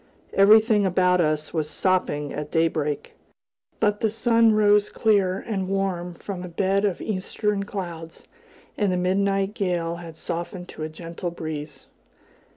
Everything about us was sopping at daybreak; but the sun rose clear and warm from a bed of eastern clouds, and the midnight gale had softened to a gentle breeze.